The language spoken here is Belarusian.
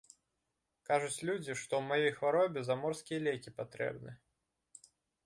Кажуць людзі, што ў маёй хваробе заморскія лекі патрэбны.